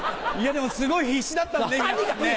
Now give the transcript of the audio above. すごい必死だったよね